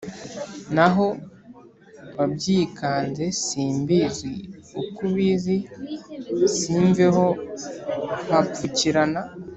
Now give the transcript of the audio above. N’aho wabyikanze Si mbizi uko ubizi Simveho mpapfukirana,